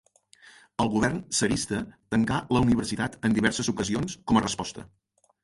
El govern tsarista tancà la universitat en diverses ocasions com a resposta.